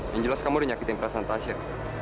yang jelas kamu udah nyakitin perasaan tasya